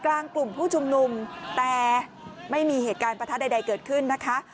กลุ่มผู้ชุมนุมแต่ไม่มีเหตุการณ์ประทัดใดเกิดขึ้นนะคะ